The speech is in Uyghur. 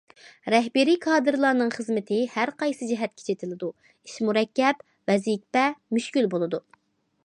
رەھبىرىي كادىرلارنىڭ خىزمىتى ھەر قايسى جەھەتكە چېتىلىدۇ، ئىش مۇرەككەپ، ۋەزىپە مۈشكۈل بولىدۇ.